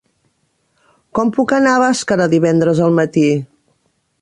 Com puc anar a Bàscara divendres al matí?